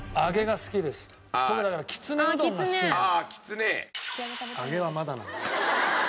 僕だからきつねうどんが好きなんです。